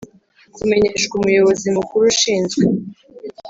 kumenyeshwa umuyobozi mukuru ushinzwe